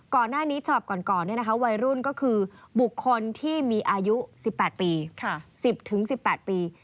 ก่อนหน้านี้ฉบับก่อนวัยรุ่นก็คือบุคคลที่มีอายุ๑๘ปี๑๐๑๘ปี